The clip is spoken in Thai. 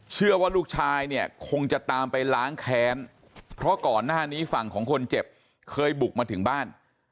เชื่อว่าลูกชายเนี่ยคงจะตามไปล้างแค้นเพราะก่อนหน้านี้ฝั่งของคนเจ็บเคยบุกมาถึงบ้าน